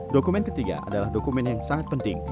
dokumen ketiga adalah dokumen yang sangat penting